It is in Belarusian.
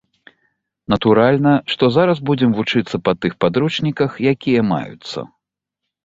Натуральна, што зараз будзем вучыцца па тых падручніках, якія маюцца.